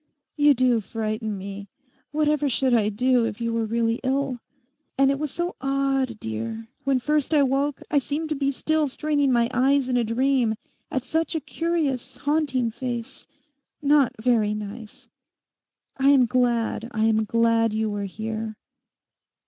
You do frighten me. Whatever should I do if you were really ill? And it was so odd, dear. When first I woke I seemed to be still straining my eyes in a dream, at such a curious, haunting face—not very nice. I am glad, I am glad you were here.